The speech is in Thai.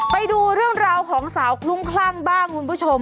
ไปดูเรื่องราวของสาวคลุ้มคลั่งบ้างคุณผู้ชม